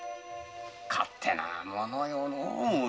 勝手なものよのう